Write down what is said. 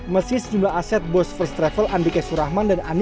meski sejumlah aset bos first travel andi k surahman dan andi